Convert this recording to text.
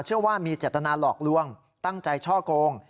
เชื่อว่ามีเจตนาหลอกลวงตั้งใจช่อกง